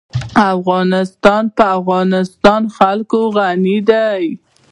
افغانستان په د افغانستان جلکو غني دی.